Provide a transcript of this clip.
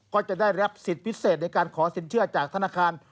ก็จะได้รับสิทธิ์พิเศษในการขอสินเชื่อจากธนาคาร